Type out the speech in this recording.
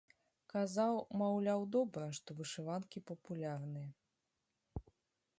Казаў, маўляў, добра, што вышыванкі папулярныя.